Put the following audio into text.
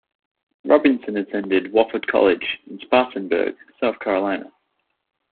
Robinson attended Wofford College in Spartanburg, South Carolina.